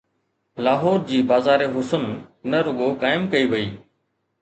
لاهور جي بازار حسن نه رڳو قائم ڪئي وئي.